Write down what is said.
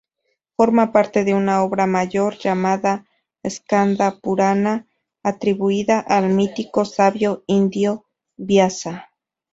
Forma parte de una obra mayor llamada "Skanda-purana", atribuida al mítico sabio indio Viasa.